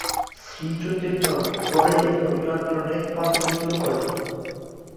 শ্রীচৈতন্য পরে একে ধর্মীয় আন্দোলনে রূপান্তরিত করেন।